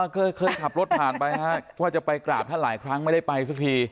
เคยขับรถผ่านไปว่าจะไปกราบท่านหลายครั้งไม่ได้ไปสักที